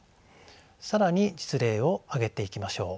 更に実例を挙げていきましょう。